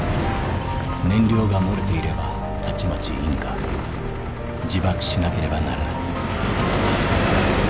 燃料が漏れていればたちまち引火自爆しなければならない」。